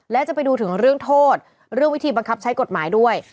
และจะไปดูถึงเรื่องโทษเรื่องวิธีบังคับใช้กฎหมายด้วย